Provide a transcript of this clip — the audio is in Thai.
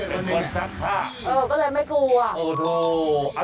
เออก็เลยไม่กลัว